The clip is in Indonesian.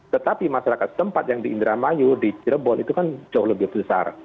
tetapi masyarakat setempat yang di indramayu di cirebon itu kan jauh lebih besar